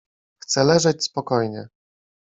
Chce leżeć spokojnie.